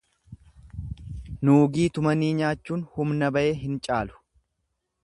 Nuugii tumanii nyaachuun humna baye hin caalu.